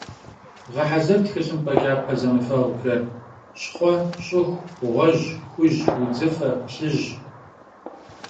Ğehezır txılhımp'e ç'ape zemıfeğuxer: şxhue, ş'ıxu, ğuej, xuj, vudzıfe, plhıj.